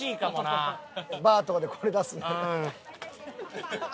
バーとかでこれ出すみたいな。